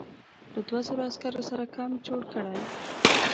له دوو زرو عسکرو سره کمپ جوړ کړی.